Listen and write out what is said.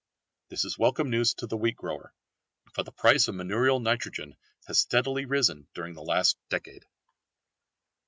This is welcome news to the wheat grower, for the price of manurial nitrogen has steadily risen during the last decade.